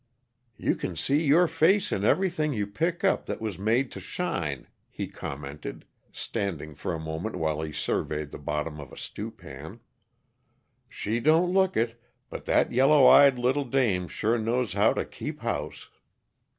"You can see your face in everything you pick up that was made to shine," he commented, standing for a moment while he surveyed the bottom of a stewpan. "She don't look it, but that yellow eyed little dame sure knows how to keep house."